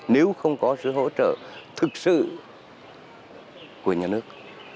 nếu không có sự hỗ trợ thực sự của nhà nước